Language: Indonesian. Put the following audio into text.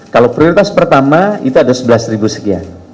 kalau prioritas pertama itu ada sebelas sekian